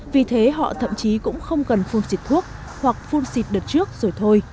vì thế họ thậm chí cũng không cần phun xịt thuốc hoặc phun xịt đợt trước rồi thôi